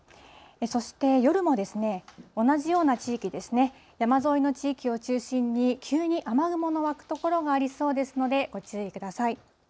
そして夜も同じような地域ですね、山沿いの地域を中心に、急に雨雲の湧く所がありそうですので、ご注意ください。